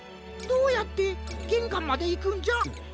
どうやってげんかんまでいくんじゃ？